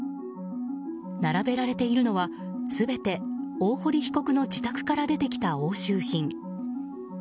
並べられているのは全て大堀被告の自宅から出てきた押収品。